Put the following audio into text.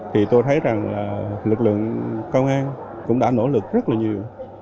thì tôi thấy rằng lực lượng công an cũng đã nỗ lực rất là nhiều